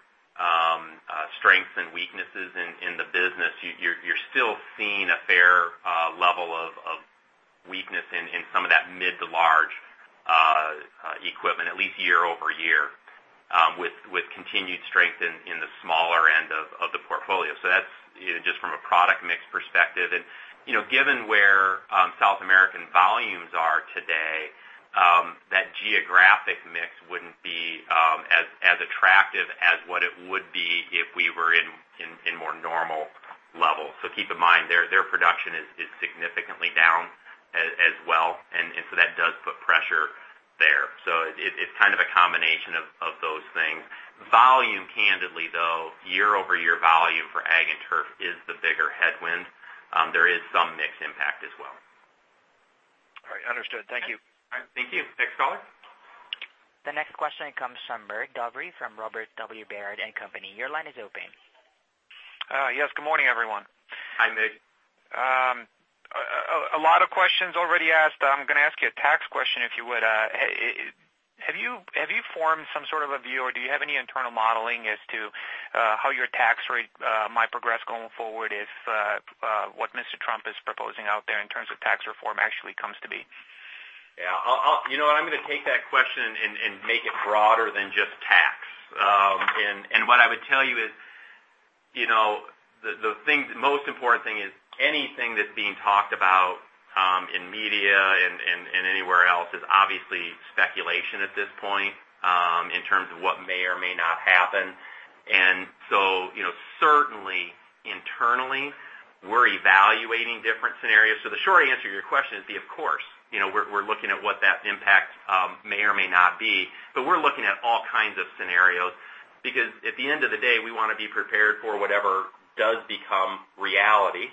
strengths and weaknesses in the business, you're still seeing a fair level of weakness in some of that mid to large equipment, at least year-over-year, with continued strength in the smaller end of the portfolio. That's just from a product mix perspective. Given where South American volumes are today, that geographic mix wouldn't be as attractive as what it would be if we were in more normal levels. Keep in mind, their production is significantly down as well, and so that does put pressure there. It's kind of a combination of those things. Volume, candidly though, year-over-year volume for ag and turf is the bigger headwind. There is some mix impact as well. All right. Understood. Thank you. Thank you. Next caller? The next question comes from Mig Dobre from Robert W. Baird & Co.. Your line is open. Yes. Good morning, everyone. Hi, Mig. A lot of questions already asked. I'm going to ask you a tax question, if you would. Have you formed some sort of a view, or do you have any internal modeling as to how your tax rate might progress going forward if what Mr. Trump is proposing out there in terms of tax reform actually comes to be? Yeah. I'm going to take that question and make it broader than just tax. What I would tell you is, the most important thing is anything that's being talked about in media and anywhere else is obviously speculation at this point in terms of what may or may not happen. Certainly internally, we're evaluating different scenarios. The short answer to your question is, of course. We're looking at what that impact may or may not be, but we're looking at all kinds of scenarios because at the end of the day, we want to be prepared for whatever does become reality.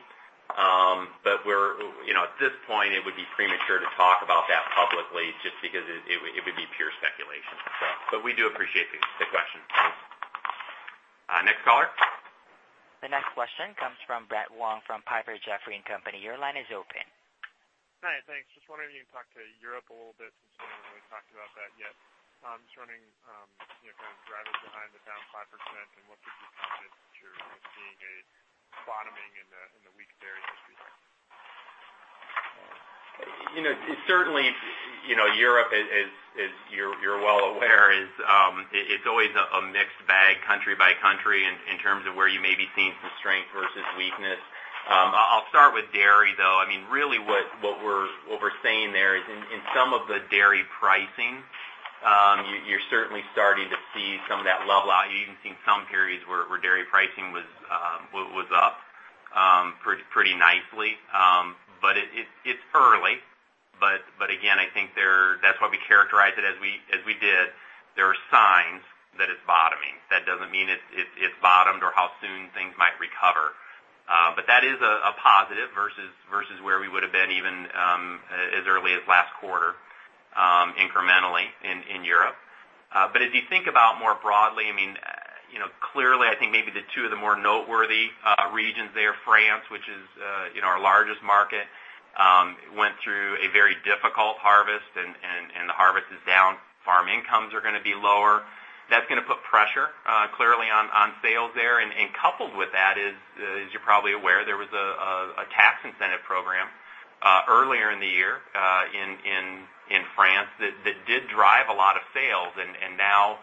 At this point, it would be premature to talk about that publicly just because it would be pure speculation. We do appreciate the question. Thanks. Next caller? The next question comes from Brett Wong from Piper Jaffray & Company. Your line is open. Hi. Thanks. Just wondering if you can talk to Europe a little bit since we haven't really talked about that yet. Just wondering kind of drivers behind the down 5% and what gives you confidence that you're seeing a bottoming in the weak areas that you think. Europe, as you're well aware, it's always a mixed bag country by country in terms of where you may be seeing some strength versus weakness. I'll start with dairy, though. Really what we're saying there is in some of the dairy pricing, you're certainly starting to see some of that level out. You even seen some periods where dairy pricing was up pretty nicely. It's early, but again, I think that's why we characterize it as we did. There are signs that it's bottoming. That doesn't mean it's bottomed or how soon things might recover. That is a positive versus where we would have been even as early as last quarter incrementally in Europe. If you think about more broadly, clearly, I think maybe the two of the more noteworthy regions there, France, which is our largest market went through a very difficult harvest and the harvest is down. Farm incomes are going to be lower. That's going to put pressure clearly on sales there. Coupled with that is, as you're probably aware, there was a tax incentive program earlier in the year in France that did drive a lot of sales. Now,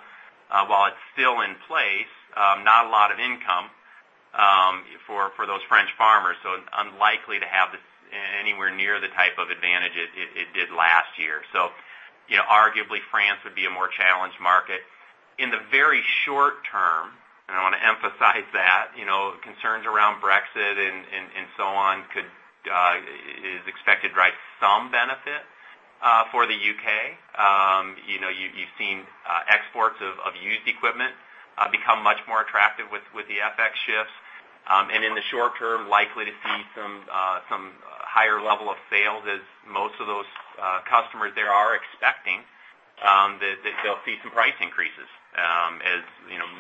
while it's still in place, not a lot of income for those French farmers. Unlikely to have anywhere near the type of advantage it did last year. Arguably, France would be a more challenged market. In the very short term, and I want to emphasize that, concerns around Brexit and so on is expected to drive some benefit for the U.K. You've seen exports of used equipment become much more attractive with the FX shifts. In the short term, likely to see some higher level of sales as most of those customers there are expecting that they'll see some price increases. As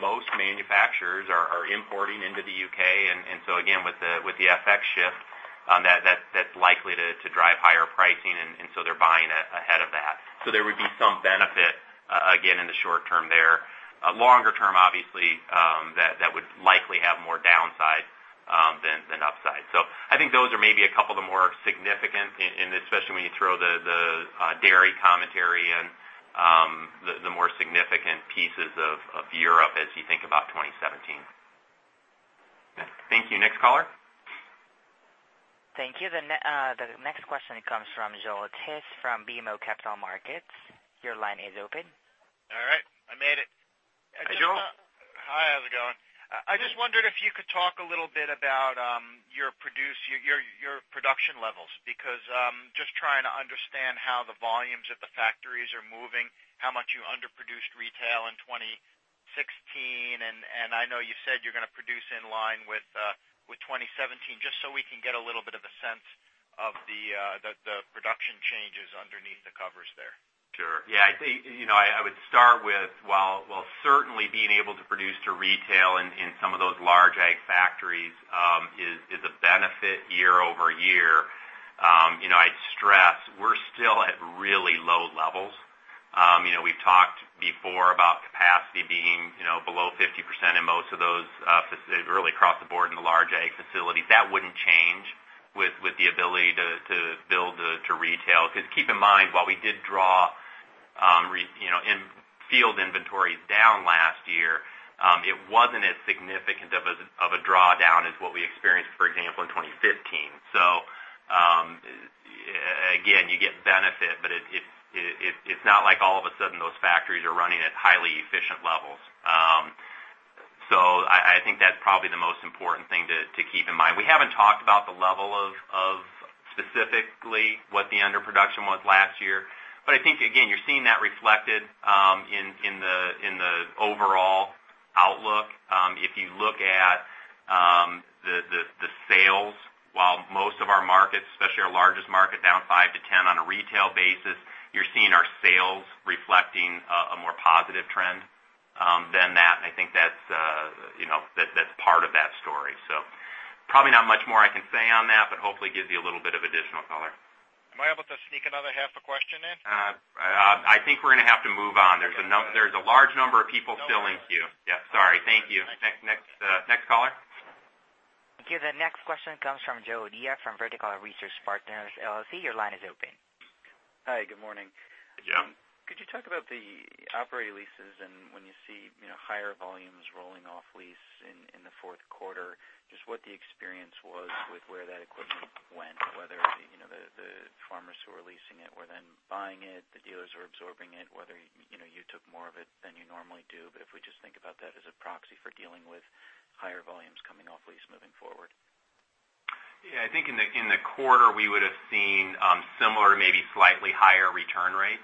most manufacturers are importing into the U.K., again, with the FX shift, that's likely to drive higher pricing, and so they're buying ahead of that. There would be some benefit, again, in the short term there. Longer term, obviously, that would likely have more downside than upside. I think those are maybe a couple of the more significant, and especially when you throw the dairy commentary in, the more significant pieces of Europe as you think about 2017. Thank you. Next caller? Thank you. The next question comes from Joel Tiss from BMO Capital Markets. Your line is open. All right. I made it. Hi, Joel. Hi, how's it going? I just wondered if you could talk a little bit about your production levels, because I'm just trying to understand how the volumes at the factories are moving, how much you underproduced retail in 2016. I know you said you're going to produce in line with 2017, just so we can get a little bit of a sense. The production changes underneath the covers there. Sure. Yeah, I would start with while certainly being able to produce to retail in some of those large ag factories is a benefit year-over-year. I'd stress we're still at really low levels. We've talked before about capacity being below 50% in most of those, really across the board in the large ag facilities. That wouldn't change with the ability to build to retail because keep in mind, while we did draw field inventories down last year, it wasn't as significant of a drawdown as what we experienced, for example, in 2015. Again, you get benefit, but it's not like all of a sudden those factories are running at highly efficient levels. I think that's probably the most important thing to keep in mind. We haven't talked about the level of specifically what the underproduction was last year. I think, again, you're seeing that reflected in the overall outlook. If you look at the sales, while most of our markets, especially our largest market, down 5% to 10% on a retail basis, you're seeing our sales reflecting a more positive trend than that. I think that's part of that story. Probably not much more I can say on that, but hopefully gives you a little bit of additional color. Am I able to sneak another half a question in? I think we're going to have to move on. There's a large number of people still in queue. Yeah, sorry. Thank you. Next caller. Okay, the next question comes from Joe O'Dea from Vertical Research Partners LLC. Your line is open. Hi, good morning. Yeah. Could you talk about the operating leases and when you see higher volumes rolling off lease in the fourth quarter, just what the experience was with where that equipment went, whether the farmers who were leasing it were then buying it, the dealers were absorbing it, whether you took more of it than you normally do. If we just think about that as a proxy for dealing with higher volumes coming off lease moving forward. Yeah, I think in the quarter we would've seen similar, maybe slightly higher return rates.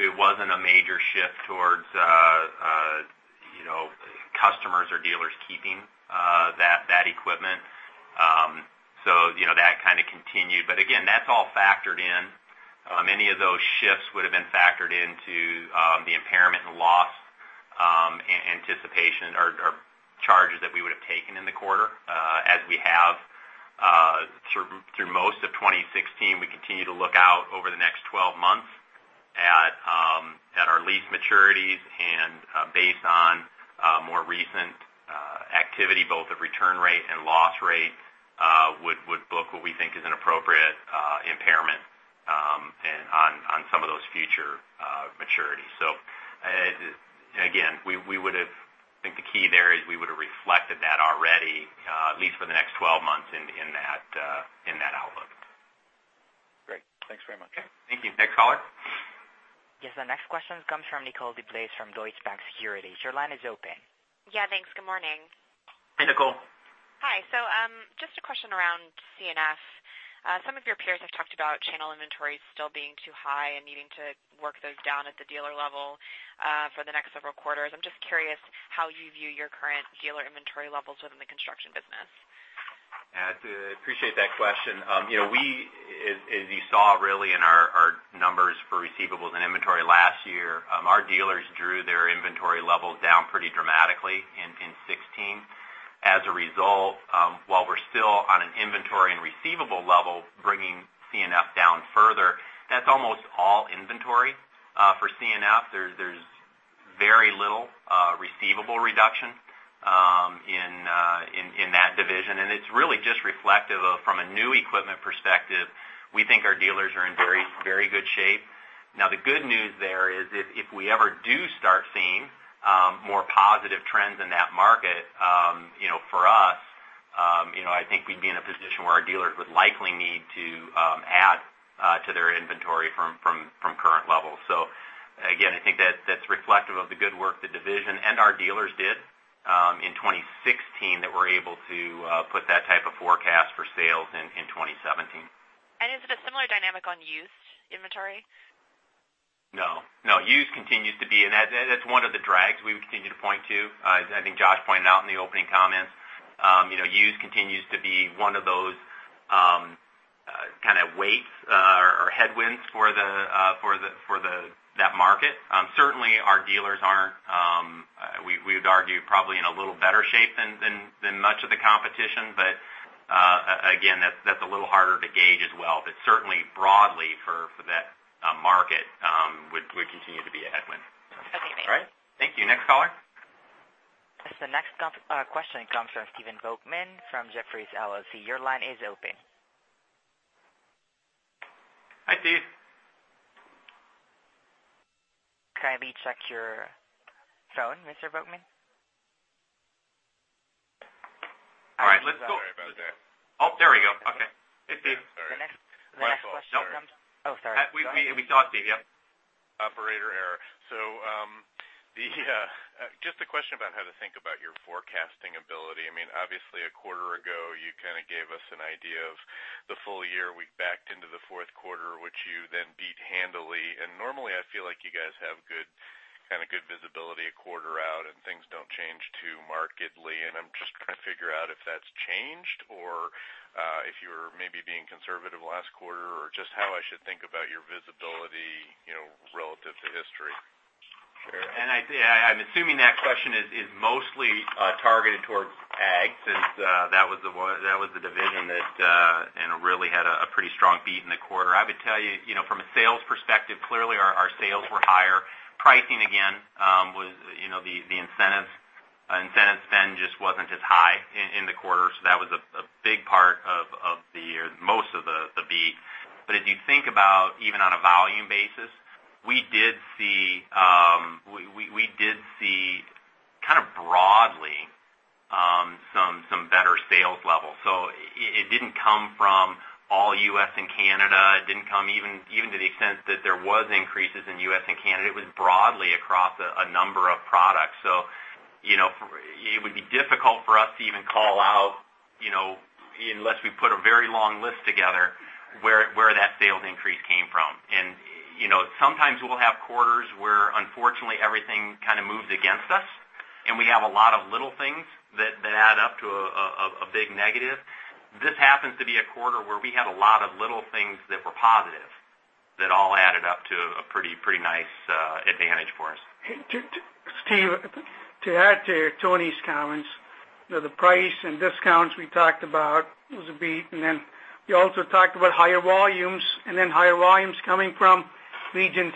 It wasn't a major shift towards customers or dealers keeping that equipment. That kind of continued. Again, that's all factored in. Many of those shifts would've been factored into the impairment and loss anticipation or charges that we would've taken in the quarter. Through most of 2016, we continue to look out over the next 12 months at our lease maturities and based on more recent activity, both of return rate and loss rate would book what we think is an appropriate impairment on some of those future maturities. Again, I think the key there is we would've reflected that already at least for the next 12 months in that outlook. Great. Thanks very much. Okay. Thank you. Next caller. Yes, the next question comes from Nicole DeBlase from Deutsche Bank Securities. Your line is open. Yeah, thanks. Good morning. Hi, Nicole. Hi. Just a question around C&F. Some of your peers have talked about channel inventories still being too high and needing to work those down at the dealer level for the next several quarters. I'm just curious how you view your current dealer inventory levels within the construction business. Yeah, I appreciate that question. As you saw really in our numbers for receivables and inventory last year, our dealers drew their inventory levels down pretty dramatically in 2016. As a result, while we're still on an inventory and receivable level, bringing C&F down further, that's almost all inventory. For C&F, there's very little receivable reduction in that division, and it's really just reflective of, from a new equipment perspective, we think our dealers are in very good shape. The good news there is if we ever do start seeing more positive trends in that market, for us, I think we'd be in a position where our dealers would likely need to add to their inventory from current levels. Again, I think that's reflective of the good work the division and our dealers did in 2016 that we're able to put that type of forecast for sales in 2017. Is it a similar dynamic on used inventory? No. Used continues to be, that's one of the drags we would continue to point to, as I think Josh pointed out in the opening comments. Used continues to be one of those kind of weights or headwinds for that market. Certainly, our dealers aren't, we would argue probably in a little better shape than much of the competition. Again, that's a little harder to gauge as well. Certainly broadly for that market would continue to be a headwind. Okay, thanks. All right. Thank you. Next caller. The next question comes from Stephen Volkmann from Jefferies LLC. Your line is open. Hi, Steve. Can I please check your phone, Mr. Volkmann? All right, let's go. Sorry about that. There we go. Okay. Hey, Steve. Yeah, sorry. The next question comes. My fault, sorry. Oh, sorry. Go ahead. We saw Steve, yeah. Operator error. Just a question about how to think about your forecasting ability. Obviously a quarter ago, you kind of gave us an idea of the full year. We backed out the fourth quarter, which you then beat handily. Normally, I feel like you guys have kind of good visibility a quarter out, and things don't change too markedly. I'm just trying to figure out if that's changed or if you were maybe being conservative last quarter, or just how I should think about your visibility relative to history. Sure. I'm assuming that question is mostly targeted towards Ag, since that was the division that really had a pretty strong beat in the quarter. I would tell you, from a sales perspective, clearly our sales were higher. Pricing again, the incentive spend just wasn't as high in the quarter, so that was a big part of the year, most of the beat. If you think about even on a volume basis, we did see kind of broadly, some better sales levels. It didn't come from all U.S. and Canada. It didn't come even to the extent that there was increases in U.S. and Canada. It was broadly across a number of products. It would be difficult for us to even call out, unless we put a very long list together, where that sales increase came from. Sometimes we'll have quarters where unfortunately, everything kind of moves against us, and we have a lot of little things that add up to a big negative. This happens to be a quarter where we had a lot of little things that were positive that all added up to a pretty nice advantage for us. Steve, to add to Tony's comments, the price and discounts we talked about was a beat, we also talked about higher volumes, higher volumes coming from regions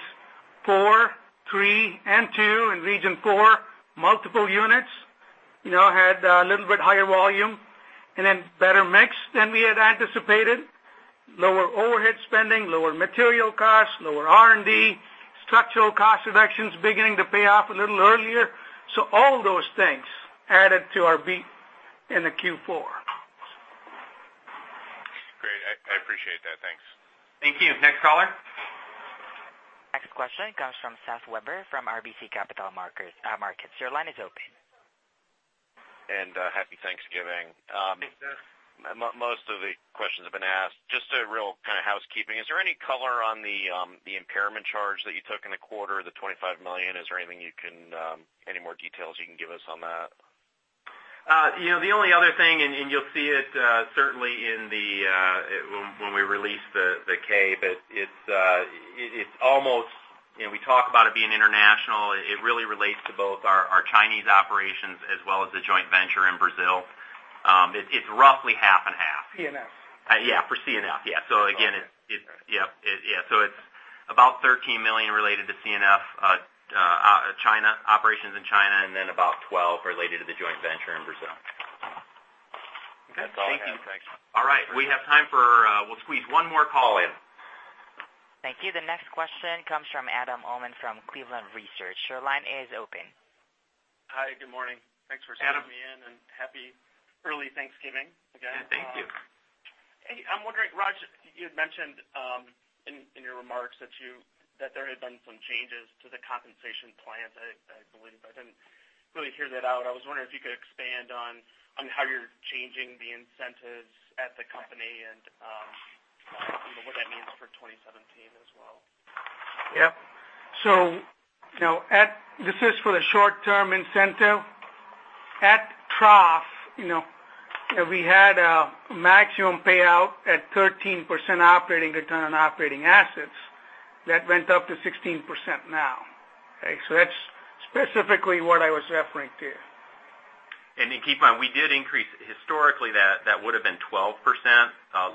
four, three, and two. In region four, multiple units had a little bit higher volume and then better mix than we had anticipated. Lower overhead spending, lower material costs, lower R&D, structural cost reductions beginning to pay off a little earlier. All those things added to our beat in the Q4. Great. I appreciate that, thanks. Thank you. Next caller. Next question comes from Seth Weber from RBC Capital Markets. Your line is open. Happy Thanksgiving. Hey, Seth. Most of the questions have been asked. Just a real kind of housekeeping. Is there any color on the impairment charge that you took in the quarter, the $25 million? Is there any more details you can give us on that? The only other thing, you'll see it certainly when we release the K, we talk about it being international. It really relates to both our Chinese operations as well as the joint venture in Brazil. It's roughly half and half. C&F. Yeah, for C&F. Again, it's about $13 million related to C&F, operations in China, and then about $12 million related to the joint venture in Brazil. Okay. Thank you. All right. We have time for, we'll squeeze one more call in. Thank you. The next question comes from Adam Uhlman from Cleveland Research. Your line is open. Hi, good morning. Thanks for letting me in. Adam Happy early Thanksgiving again. Thank you. Hey, I'm wondering, Raj, you had mentioned in your remarks that there had been some changes to the compensation plans, I believe. I didn't really hear that out. I was wondering if you could expand on how you're changing the incentives at the company and what that means for 2017 as well. Yep. This is for the short-term incentive. At trough, we had a maximum payout at 13% operating return on operating assets. That went up to 16% now. Okay? That's specifically what I was referring to. Keep in mind, we did increase. Historically, that would've been 12%.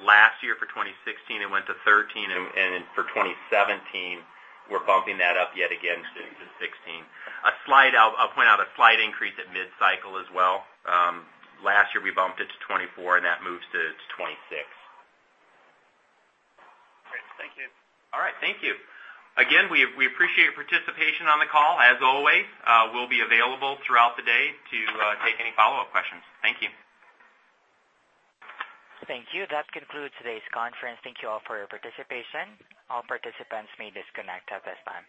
Last year for 2016, it went to 13%, for 2017, we're bumping that up yet again to 16%. I'll point out a slight increase at mid-cycle as well. Last year, we bumped it to 24%, and that moves to 26%. Great. Thank you. All right. Thank you. Again, we appreciate your participation on the call. As always, we'll be available throughout the day to take any follow-up questions. Thank you. Thank you. That concludes today's conference. Thank you all for your participation. All participants may disconnect at this time.